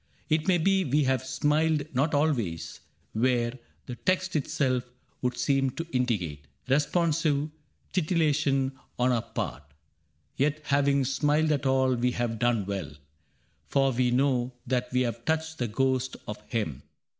It may be we have smiled not always where The text itself would seem to indicate Responsive titillation on our part, — Yet having smiled at all we have done well. For we know that we have touched the ghost of him.